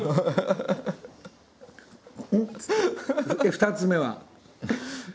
「２つ目は」